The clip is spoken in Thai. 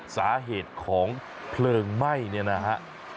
สาเหตุของเพลิงไหม้นี่นะครับ